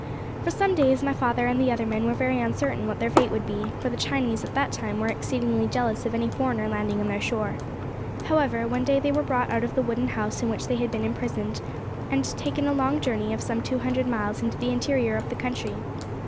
For some days my father and the other men were very uncertain what their fate would be; for the Chinese at that time were exceedingly jealous of any foreigner landing on their shore. However, one day they were brought out of the wooden house in which they had been imprisoned, and taken a long journey of some two hundred miles into the interior of the country.